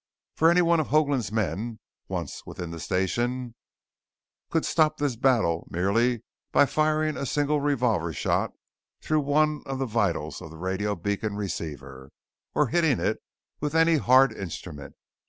For any one of Hoagland's men, once within the station, could stop this battle merely by firing a single revolver shot through one of the vitals of the radio beacon receiver. Or hitting it with any hard instrument.